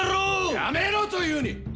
やめろと言うに！